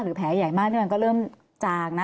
แผลใหญ่มากนี่มันก็เริ่มจางนะ